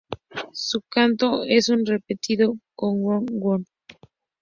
Su canto es un repetido "kow-kow-kow-kow".